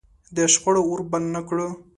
د شخړو اور بل نه کړو.